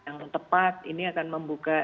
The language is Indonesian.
yang tepat ini akan membuka